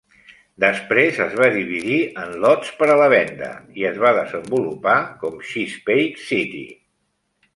Després es va dividir en lots per a la venda i es va desenvolupar com Chesapeake City.